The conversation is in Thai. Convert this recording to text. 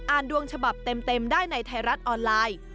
ดวงฉบับเต็มได้ในไทยรัฐออนไลน์